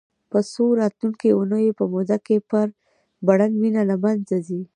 په څو راتلونکو اونیو په موده کې پرڼ وینه له منځه ځي.